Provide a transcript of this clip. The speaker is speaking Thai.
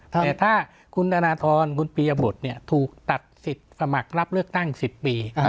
แต่ถ้าคุณธนทรบุญปียบุตรถูกตัดสิทธิ์สมัครรับเลือกตั้ง๑๐ปี